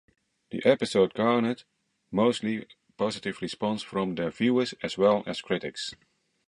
The episode garnered mostly positive response from the viewers as well as critics.